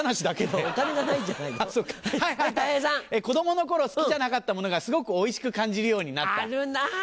子供の頃好きじゃなかったものがすごくおいしく感じるようになった。